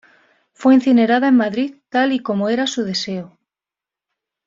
Fue incinerada en Madrid tal y como era su deseo.